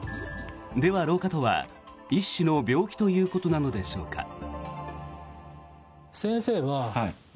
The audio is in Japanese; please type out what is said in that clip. では、老化とは一種の病気ということなのでしょうか？